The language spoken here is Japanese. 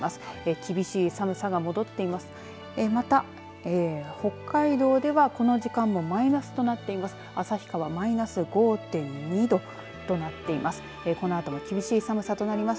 厳しい寒さが戻っています。